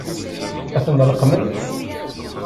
Ad ten-leqqment?